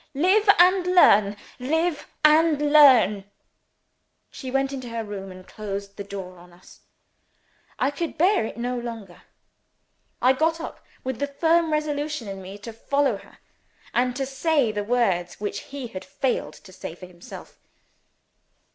Live and learn! live and learn!" She went into her room, and closed the door on us. I could bear it no longer. I got up, with the firm resolution in me to follow her, and say the words which he had failed to say for himself.